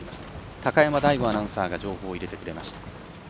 高山大吾アナウンサーが情報を入れてくれました。